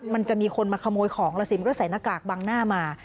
มันจะมีคนมาขโมยของแล้วสิมันก็ใส่หน้ากากบังหน้ามา